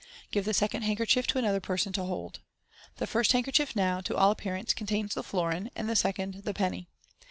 Give the second hand* kerchief to another person to hold. The first handkerchief now, to all appearance, contains ilie florin, and the second the penny.